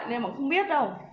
nên mà không biết đâu